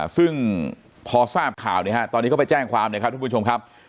ซึ่งพอทราบข่าวตอนนี้เขาไปแจ้งความนะครับทุกผู้ชมครับ